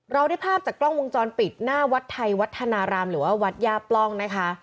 เราได้ภาพจากกล้องวงจรปิดหน้าวัดไทยวัฒนารามหรือว่าวัดย่าปล้องนะคะ